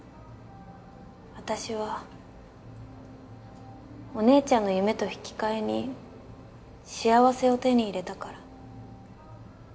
私はお姉ちゃんの夢と引き換えに幸せを手に入れたから。